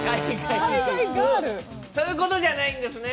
そういうことじゃないんですね。